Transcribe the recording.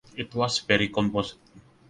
It was very composed.